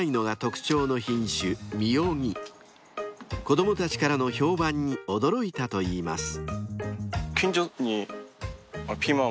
［子供たちからの評判に驚いたと言います］